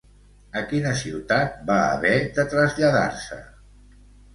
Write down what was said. A quina ciutat va haver de traslladar-se?